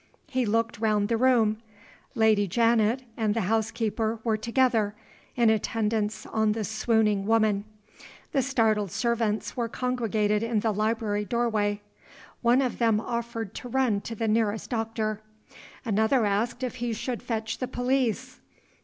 He looked round the room. Lady Janet and the housekeeper were together, in attendance on the swooning woman. The startled servants were congregated in the library doorway. One of them offered to run to the nearest doctor; another asked if he should fetch the police.